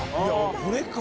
これか？